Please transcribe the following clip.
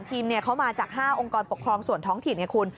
๑๓ทีมเขามาจาก๕องคลปกครองส่วนท้องถิ่น